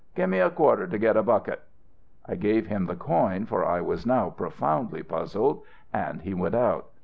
'Gimme a quarter to get a bucket' "I gave him the coin, for I was now profoundly puzzled, and he went out.